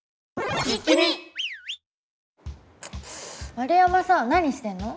円山さん何してんの？